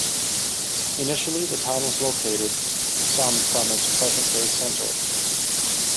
Initially the town was located some from its present-day centre.